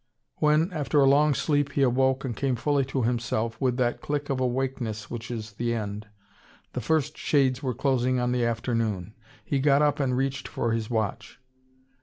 When, after a long sleep, he awoke and came fully to himself, with that click of awakeness which is the end, the first shades were closing on the afternoon. He got up and reached for his watch.